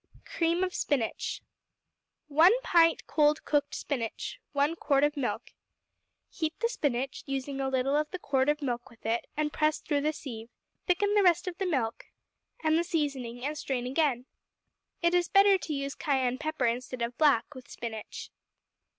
Cream of Spinach 1 pint cold cooked spinach. 1 quart of milk. Heat the spinach, using a little of the quart of milk with it, and press through the sieve; thicken the rest of the milk, and the seasoning, and strain again. It is better to use cayenne pepper instead of black with spinach.